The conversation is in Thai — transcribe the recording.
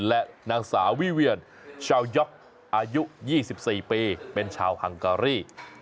และนางสาววิเวียนชาวย็อกอายุ๒๔ปีเป็นชาวฮังการี